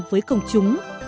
với công chúng